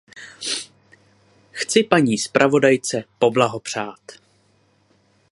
Chci paní zpravodajce poblahopřát.